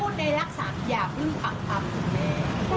ผมเลยต้องมาอยู่ตรงนี้